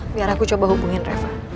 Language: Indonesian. biar aku coba hubungin reva